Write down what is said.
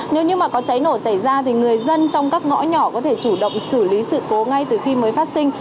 nếu như mà có cháy nổ xảy ra thì người dân trong các ngõ nhỏ có thể chủ động xử lý sự cố ngay từ khi mới phát sinh